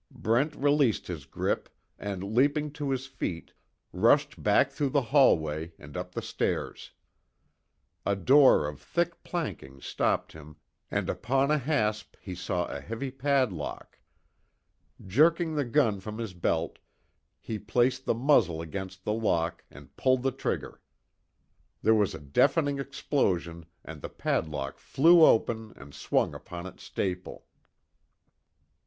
Brent released his grip and leaping to his feet rushed back through the hallway, and up the stairs. A door of thick planking stopped him and upon a hasp he saw a heavy padlock. Jerking the gun from his belt, he placed the muzzle against the lock and pulled the trigger. There was a deafening explosion and the padlock flew open and swung upon its staple.